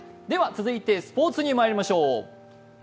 続いてスポーツにまいりましょう。